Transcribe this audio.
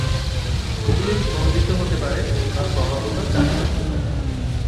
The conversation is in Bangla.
এগুলি স্পন্দিত হতে পারে বা ক্রমাগত চালিত হতে পারে।